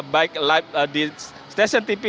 baik di stasiun tv